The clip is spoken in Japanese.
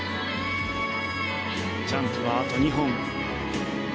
ジャンプはあと２本。